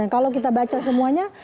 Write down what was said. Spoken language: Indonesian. kalau kita baca semuanya